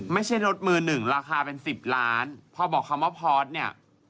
ไม่ใช่รถมือหนึ่งราคาเป็นสิบล้านพอบอกคำว่าพอสเนี่ย